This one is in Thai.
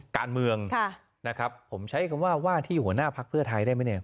การเมืองนะครับผมใช้คำว่าว่าที่หัวหน้าพักเพื่อไทยได้ไหมเนี่ย